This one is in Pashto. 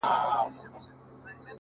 غربت مي شپې يوازي کړيدي تنها يمه زه ـ